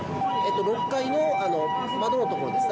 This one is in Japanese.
６階の窓のところですね。